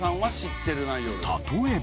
例えば。